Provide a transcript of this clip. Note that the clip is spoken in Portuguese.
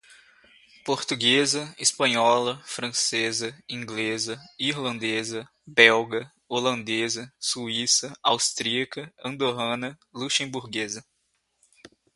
Portuguesa, Espanhola, Francesa, Inglesa, Irlandesa, Belga, Holandesa, Suíça, Austríaca, Andorrana, Luxemburguesa.